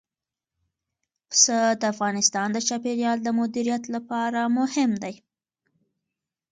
پسه د افغانستان د چاپیریال د مدیریت لپاره مهم دي.